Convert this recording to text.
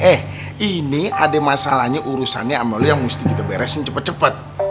eh ini ada masalahnya urusannya sama lu yang mesti kita beresin cepet cepet